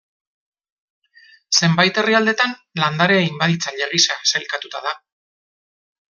Zenbait herrialdetan landare inbaditzaile gisa sailkatuta da.